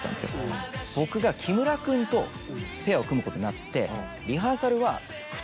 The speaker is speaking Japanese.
僕が木村君とペアを組むことになって。